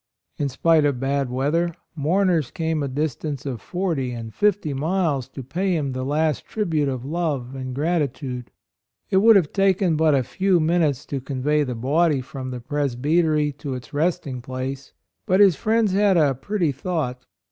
In spite of bad weather, mourners came a distance of forty and fifty miles to pay him the last tribute of love and gratitude. It would have taken but a few minutes to convey the body from the presbytery to its resting place ; but his friends had a pretty thought.